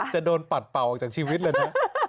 จะโดนปัดเป่าออกจากชีวิตเลยนะ